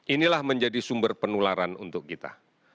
inilah menjadi sumber penularan untuk kita